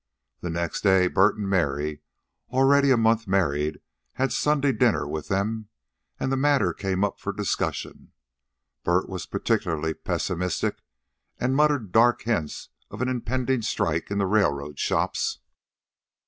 The next day, Bert and Mary, already a month married, had Sunday dinner with them, and the matter came up for discussion. Bert was particularly pessimistic, and muttered dark hints of an impending strike in the railroad shops.